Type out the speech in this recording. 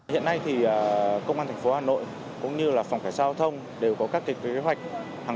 hiện nay thì công an thành phố hà nội cũng như là phòng cảnh sát giao thông đều có các kế hoạch